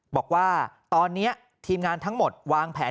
บอกว่าตอนนี้ทีมงานทั้งหมดวางแผน